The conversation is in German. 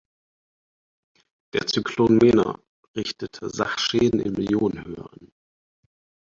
Der Zyklon „Meena“ richtete Sachschäden in Millionenhöhe an.